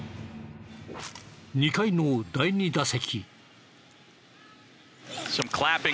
２回の第２打席。